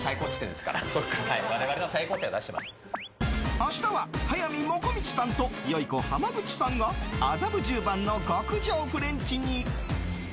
明日は、速水もこみちさんとよゐこ濱口さんが麻布十番の極上フレンチに！